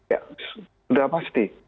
ya udah pasti